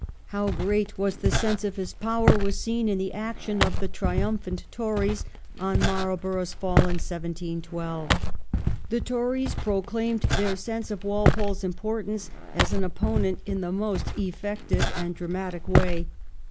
How great was the sense of his power was seen in the action of the triumphant Tories on Marlborough's fall in 1712.' The Tories proclaimed their sense of Walpole's importance as an opponent in the most effective and even dramatic way.